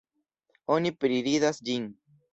Oni priridas ĝin.